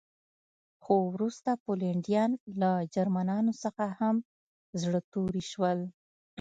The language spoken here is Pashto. خو وروسته پولنډیان له جرمنانو څخه هم زړه توري شول